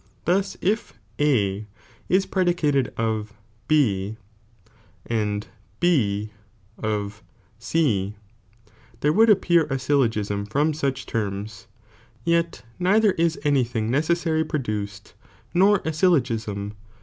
Thus if A ia predicated of B, and B of C, there would appear a syUogiam from auch terms, yet neither is any thing necessary produced, nor a syUogiam.